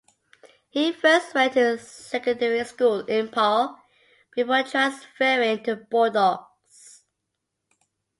He first went to secondary school in Pau, before transferring to Bordeaux.